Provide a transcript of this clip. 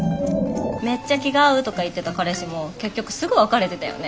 めっちゃ気が合うとか言ってた彼氏も結局すぐ別れてたよね。